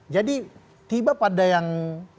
jadi tiba pada yang